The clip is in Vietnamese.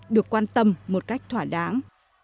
được quan tâm một cách thỏa đáng